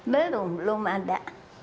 belum belum ada